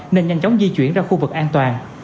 nên nhanh chóng di chuyển ra khu vực an toàn